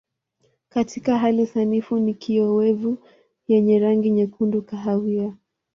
Katika hali sanifu ni kiowevu yenye rangi nyekundu kahawia.